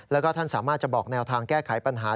แล้วก็ท่านสามารถจะบอกแนวทางแก้ไขปัญหา